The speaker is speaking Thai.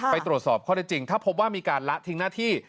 ไปตรวจสอบข้อได้จริงถ้าพบว่ามีการละทิ้งหน้าที่